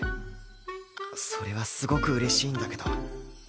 それはすごく嬉しいんだけど